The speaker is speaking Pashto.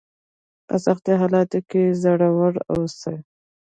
په سختو حالاتو کې زړور اوسئ.